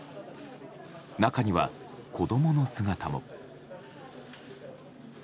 中には、子供の姿も。